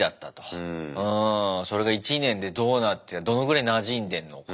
うんそれが１年でどうなってどのぐらいなじんでんのか。